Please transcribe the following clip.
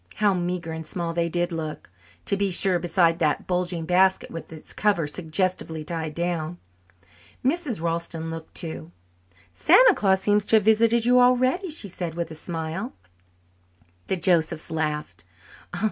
How meagre and small they did look, to be sure, beside that bulgy basket with its cover suggestively tied down. Mrs. Ralston looked too. "Santa Claus seems to have visited you already," she said with a smile. The Josephs laughed.